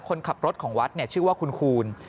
คนขับรถของวัดชื่อว่าคุณคูณ